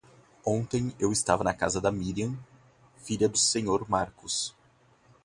Ontem eu estava na casa da Miriam, filha do Senhor Marcos.